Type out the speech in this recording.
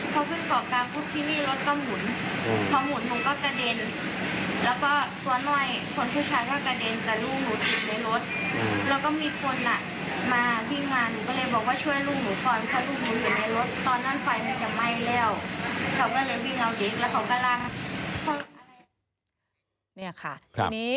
พอขึ้นเกาะกลางทุกที่นี่รถก็หมุน